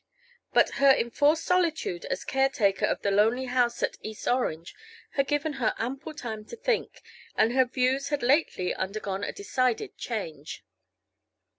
But her enforced solitude as caretaker of the lonely house at East Orange had given her ample time to think, and her views had lately undergone a decided change.